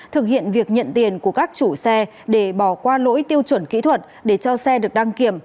thực hiện việc nhận tiền của các chủ xe để bỏ qua lỗi tiêu chuẩn kỹ thuật để cho xe được đăng kiểm